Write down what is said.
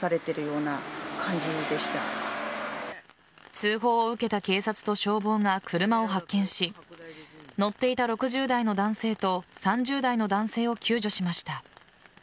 通報を受けた警察と消防が車を発見し乗っていた６０代の男性と３０代の男性を救助しました。